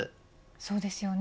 そうですよね。